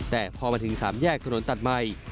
แต่พอมาถึง๓แยกถนนตัดใหม่